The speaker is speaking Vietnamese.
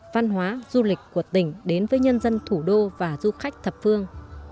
văn hóa du lịch của tỉnh đến với nhân dân thủ đô và du khách thập phương